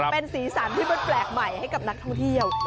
เป็นสีสันที่มันแปลกใหม่ให้กับนักท่องเที่ยว